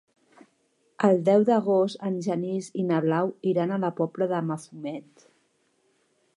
El deu d'agost en Genís i na Blau iran a la Pobla de Mafumet.